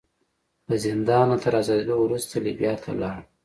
له زندانه تر ازادېدو وروسته لیبیا ته لاړ.